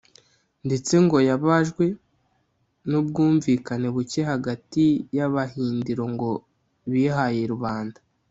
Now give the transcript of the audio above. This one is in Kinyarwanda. ndetse ngo yabajwe n’ubwumvikane buke hagati y’abahindiro ngo bihaye rubanda